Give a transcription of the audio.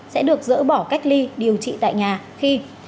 sẽ được dỡ bỏ cách ly điều trị tại nhà khi